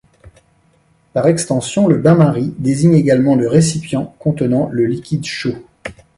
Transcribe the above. Par extension, le bain-marie désigne également le récipient contenant le liquide chaud.